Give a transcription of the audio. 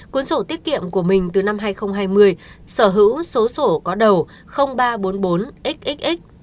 cuốn sổ tiết kiệm của mình từ năm hai nghìn hai mươi sở hữu số sổ có đầu ba trăm bốn mươi bốn xxx